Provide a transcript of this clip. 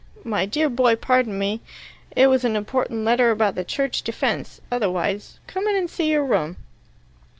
My dear boy, pardon me. It was an important letter about the Church Defence, otherwise . Come in and see your room."